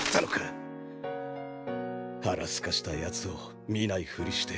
腹すかしたやつを見ないふりして。